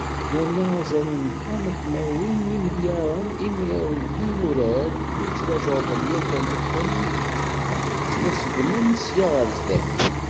Nerna azal n ṭam tmerwin n yimelyaren i mraw n yinurar i yettwajerden yakan akken ad ttwaṣegmen sya ɣar sdat.